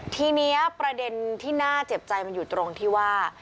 ทีนี้ประเด็นที่น่าเจ็บใจมันอยู่ตรงที่ว่า